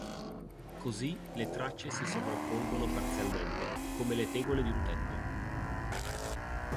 Così, le tracce si sovrappongono parzialmente come le tegole di un tetto.